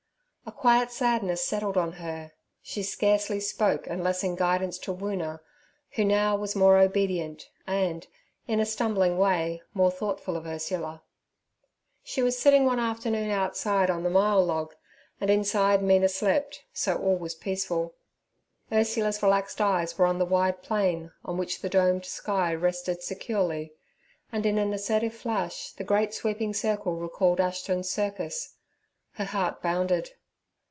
A quiet sadness settled on her; she scarcely spoke unless in guidance to Woona, who now was more obedient and, in a stumbling way, more thoughtful of Ursula. She was sitting one afternoon outside on the myall log, and inside Mina slept, so all was peaceful. Ursula's relaxed eyes were on the wide plain, on which the domed sky rested securely, and in an assertive flash the great sweeping circle recalled Ashton's circus. Her heart bounded.